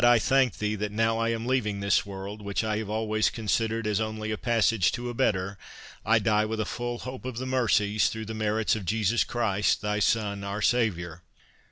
I thank thee, that now I am leaving this world, which I have always considered as only a passage to a better, I die with a full hope of the mercies, through the merits of Jesus Christ, thy son, our Saviour!"